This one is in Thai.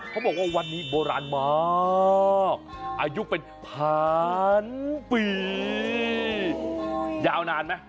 เขาบอกว่าวันนี้โบราณมากอายุเป็นพันปียาวนานไหม